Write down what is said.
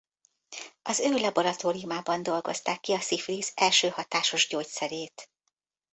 Az ő laboratóriumában dolgozták ki a szifilisz első hatásos gyógyszerét.